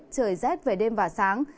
trời rét về đêm và sáng